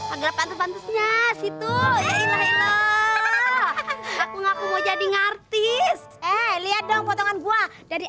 agar pantasnya situ ya ilah ilah aku ngaku mau jadi ngartis eh lihat dong potongan gua dari